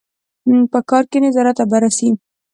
په کار کې نظارت او بررسي.